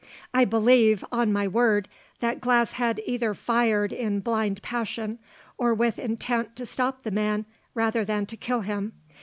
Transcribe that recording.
I believe, on my word, that Glass had either fired in blind passion or with intent to stop the man rather than to kill him.